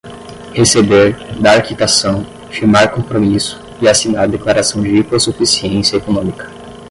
receber, dar quitação, firmar compromisso e assinar declaração de hipossuficiência econômica